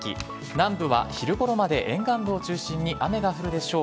南部は昼ごろまで沿岸部を中心に雨が降るでしょう。